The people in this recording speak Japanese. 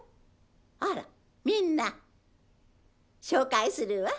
あらみんな紹介するわ。